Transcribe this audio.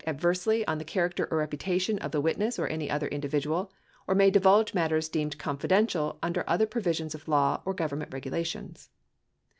1084 adversely on the character or reputation of the witness or any other individual, or may divulge matters deemed confidential under other provisions of law or Government regulations